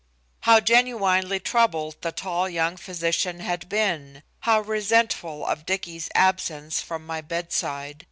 How genuinely troubled the tall young physician had been! How resentful of Dicky's absence from my bedside!